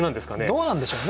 どうなんでしょうね。